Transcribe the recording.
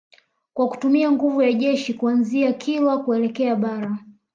Kwa kutumia nguvu ya jeshi kuanzia Kilwa kuelekea Bara